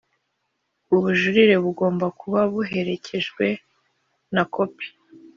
ubujurire bugomba kuba buherekejwe na kopi